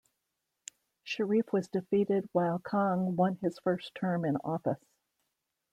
Shariff was defeated while Kang won his first term in office.